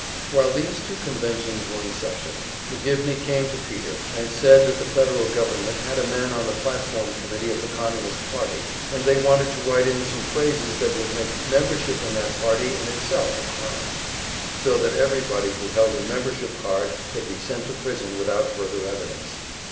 While these two conventions were in session, McGivney came to Peter, and said that the Federal government had a man on the platform committee of the Communist Party, and they wanted to write in some phrases that would make membership in that party in itself a crime, so that everybody who held a membership card could be sent to prison without further evidence.